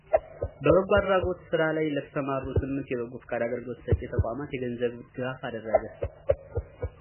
በበጎ አድራጎት ስራ ላይ ለተሰማሩ ስምንት የበጎ ፍቃድ አገልግሎት ሰጪ ተቋማት የገንዘብ ድጋፍ አደረገ፡፡